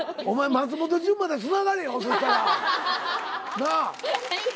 松本潤までつながれよそしたら。なあ。